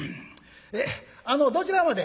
あのどちらまで？」。